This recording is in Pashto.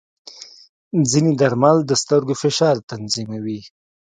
ځینې درمل د سترګو فشار تنظیموي.